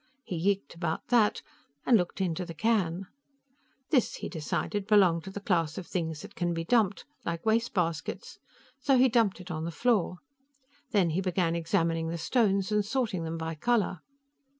He yeeked about that, and looked into the can. This, he decided, belonged to the class of things that can be dumped, like wastebaskets, so he dumped it on the floor. Then he began examining the stones and sorting them by color.